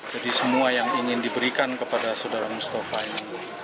jadi semua yang ingin diberikan kepada saudara mustafa ini